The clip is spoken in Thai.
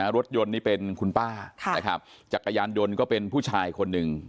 รถยนต์นี่เป็นคุณป้านะครับจักรยานยนต์ก็เป็นผู้ชายคนหนึ่ง